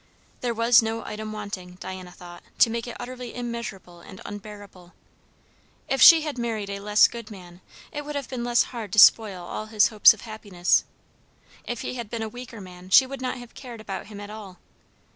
There was no item wanting, Diana thought, to make it utterly immeasurable and unbearable. If she had married a less good man, it would have been less hard to spoil all his hopes of happiness; if he had been a weaker man, she would not have cared about him at all.